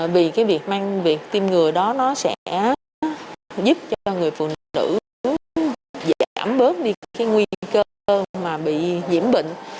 vì việc tiêm ngừa đó nó sẽ giúp cho người phụ nữ giảm bớt đi nguy cơ mà bị nhiễm bệnh